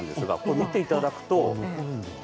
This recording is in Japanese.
見ていただくと。